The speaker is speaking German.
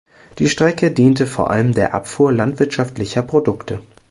Die Strecke diente vor allem der Abfuhr landwirtschaftlicher Produkte.